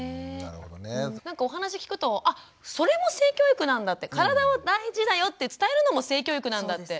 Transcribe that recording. なんかお話聞くとあっそれも性教育なんだって体は大事だよって伝えるのも性教育なんだって。